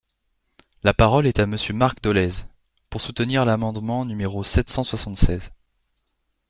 La parole est à Monsieur Marc Dolez, pour soutenir l’amendement numéro sept cent soixante-seize.